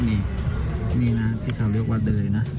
นี่นะที่เขาเรียกว่าเดย